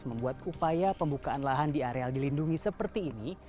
membuat upaya pembukaan lahan di areal dilindungi seperti ini